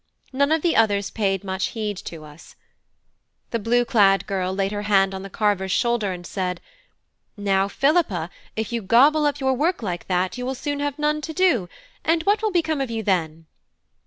None of the others paid much heed to us. The blue clad girl laid her hand on the carver's shoulder and said: "Now Philippa, if you gobble up your work like that, you will soon have none to do; and what will become of you then?"